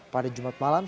pada jumat malam